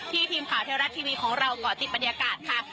ทีมข่าวเทวรัฐทีวีของเราก่อติดบรรยากาศค่ะ